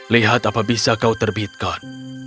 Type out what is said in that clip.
lihat apa bisa kau terbitkan